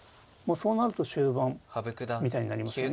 そうなると終盤みたいになりますよね。